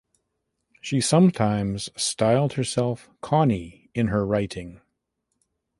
She sometimes styled herself "Connie" in her writing.